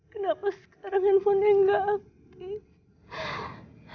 kenapa sekarang handphonenya gak aktif